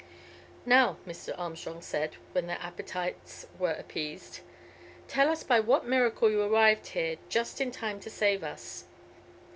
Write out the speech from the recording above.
"Now," Mr. Armstrong said, when their appetites were appeased, "tell us by what miracle you arrived here just in time to save us.